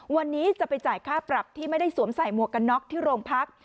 วันนี้จะไปจ่ายค่าปรับที่ไม่ได้สวมใส่หมวกกันน็อกที่โรงพัก